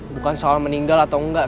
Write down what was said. bukan soal meninggal atau engga ken